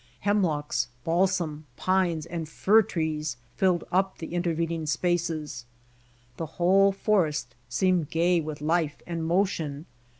Hemlocks, balf^am, pines, and fir trees filled up the intervening spaces. The whole 'forest seemed gay with life and motion.